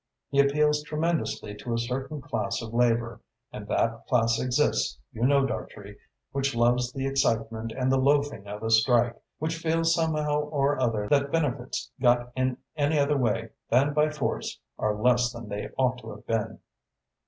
He appeals tremendously to a certain class of labour and that class exists, you know, Dartrey which loves the excitement and the loafing of a strike, which feels somehow or other that benefits got in any other way than by force are less than they ought to have been."